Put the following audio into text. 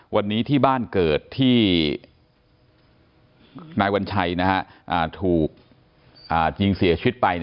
วันนี้ที่บ้านเกิดที่นายวัญชัยถูกยิงเสียชีวิตไป